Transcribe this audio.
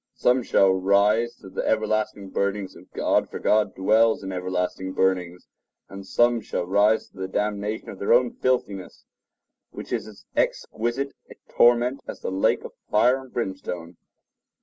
Some shall rise to the everlasting burnings of God; for God dwells in everlasting burnings, and some shall rise to the damnation of their own filthiness, which is as exquisite a torment as the lake of fire and brimstone.